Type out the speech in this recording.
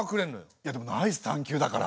いやでもナイス探究だから。